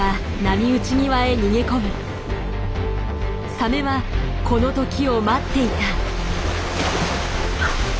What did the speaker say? サメはこの時を待っていた。